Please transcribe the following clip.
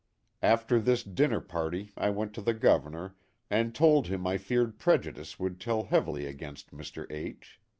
After this dinner party I went to the Gover nor and told him I feared prejudice would tell heavily against Mr. H